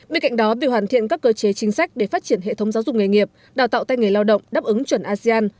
bên cạnh đó việc hoàn thiện các cơ chế chính sách để phát triển hệ thống giáo dục nghề nghiệp đào tạo tay nghề lao động đáp ứng chuẩn asean